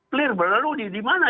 clear berlalu di mana